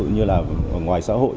như là ngoài xã hội